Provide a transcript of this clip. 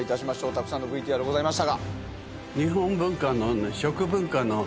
たくさんのＶＴＲございましたが。